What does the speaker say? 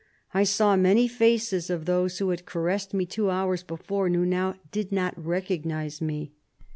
" I saw many faces of those who had caressed me two hours before, and who now did not recognise me."